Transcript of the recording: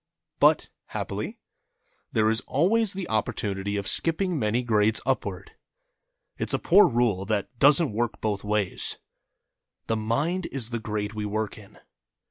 But, happily, there is always the opportunity of skipping many grades upward. It's a poor rule that doesn't work both ways. The Mind is the Grade we work in.